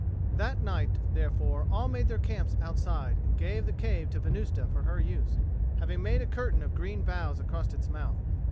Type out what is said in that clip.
That night, therefore, all made their camp outside, and gave the cave to Venusta for her use, having made a curtain of green boughs across its mouth.